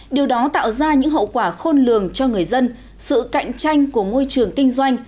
điều đó tạo ra những hậu quả khôn lường cho người dân sự cạnh tranh của môi trường kinh doanh